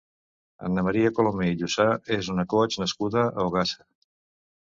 Anna Maria Colomer i Llussà és una coach nascuda a Ogassa.